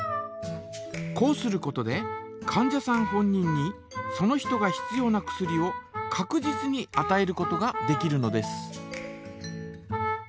こうすることでかん者さん本人にその人が必要な薬をかく実にあたえることができるのです。